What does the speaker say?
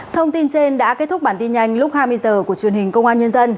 thông tin trên đã kết thúc bản tin nhanh lúc hai mươi h của truyền hình công an nhân dân